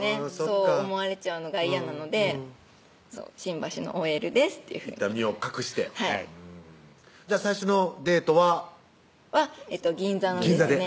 そう思われちゃうのが嫌なので「新橋のＯＬです」っていうふうにいったん身を隠してはいじゃあ最初のデートは銀座のですね